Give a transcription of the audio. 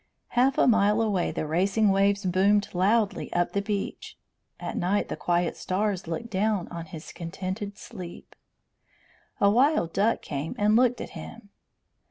Half a mile away the racing waves boomed loudly up the beach. At night the quiet stars looked down on his contented sleep. A wild duck came and looked at him.